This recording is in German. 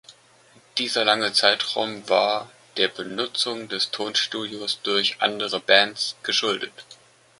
Dieser lange Zeitraum war der Benutzung des Tonstudios durch andere Bands geschuldet.